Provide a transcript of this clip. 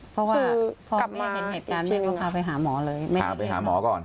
เพราะว่าพอแม่เห็นเหตุการณ์แม่ก็พาไปหาหมอเลยไม่ได้เรียก